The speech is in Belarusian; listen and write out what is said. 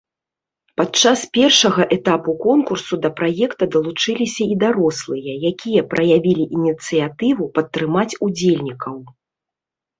Падчас першага этапу конкурсу да праекта далучыліся і дарослыя, якія праявілі ініцыятыву падтрымаць удзельнікаў.